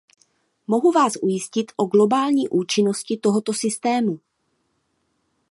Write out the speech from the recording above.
Mohu vás ujistit o globální účinnosti tohoto systému.